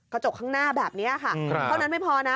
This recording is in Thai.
กระจกข้างหน้าแบบนี้ค่ะเท่านั้นไม่พอนะ